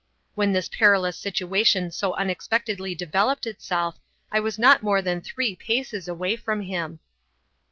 When this perilous situation so unexpectedly developed itself, I was not more than three paces away from him.